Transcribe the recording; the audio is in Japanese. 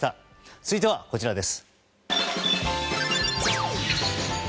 続いては、こちらです。